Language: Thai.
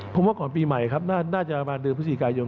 ผมว่าก่อนปีใหม่ครับน่าจะประมาณเดือนพฤศจิกายน